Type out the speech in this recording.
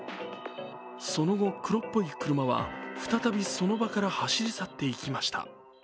その後、黒っぽい車は再びその場から走り去っていきました。